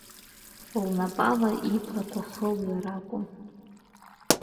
Лнапала иблақәа хылҩар акәын.